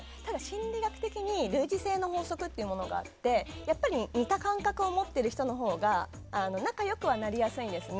心理学的に、類似性の法則というものがあってやっぱり似た感覚を持っている人のほうが仲良くはなりやすいんです。